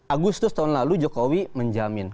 agustus tahun lalu jokowi menjamin